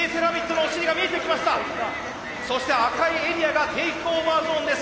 そして赤いエリアがテイクオーバーゾーンです。